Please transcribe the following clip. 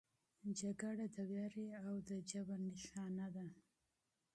جګړه د وحشت او بربریت نښه ده.